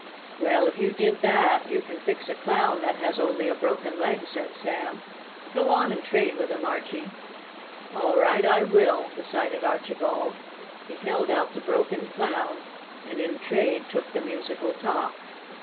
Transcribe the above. "Well, if you did that, you can fix a Clown that has only a broken leg," said Sam. "Go on and trade with him, Archie." "All right, I will," decided Archibald. He held out the broken Clown and in trade took the musical top.